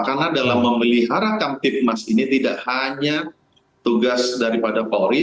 karena dalam memelihara kamtib mas ini tidak hanya tugas daripada polri